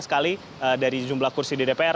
sekali dari jumlah kursi di dpr